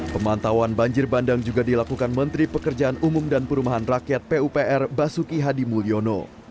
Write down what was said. pemantauan banjir bandang juga dilakukan menteri pekerjaan umum dan perumahan rakyat pupr basuki hadi mulyono